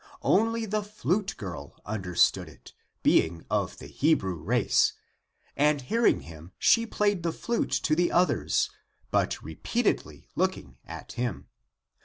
Only the flute girl understood it, being of the Hebrew race; and hearing him, she played the flute to the others, but repeatedly looking at him.